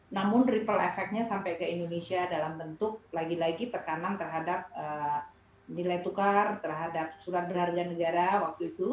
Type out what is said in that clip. namun ripple efeknya sampai ke indonesia dalam bentuk lagi lagi tekanan terhadap nilai tukar terhadap surat berharga negara waktu itu